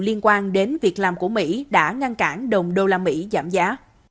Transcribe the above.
liên quan đến việc làm của mỹ đã ngăn cản đồng đô la mỹ giảm giá